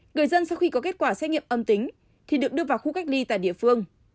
người dân sau khi có kết quả xét nghiệm âm tính thì được đưa vào khu cách ly tại địa phương